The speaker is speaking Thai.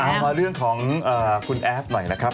เอามาเรื่องของคุณแอฟหน่อยนะครับ